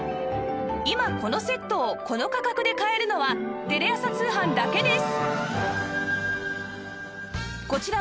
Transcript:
今このセットをこの価格で買えるのはテレ朝通販だけです！